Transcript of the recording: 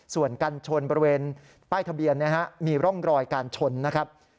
ส่วนกันชนบริเวณป้ายทะเบียนมีร่องรอยการชนนะครับ